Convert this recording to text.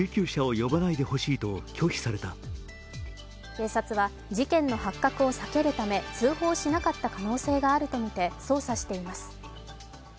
警察は事件の発覚を避けるため通報しなかった可能性があるとみて捜査しています。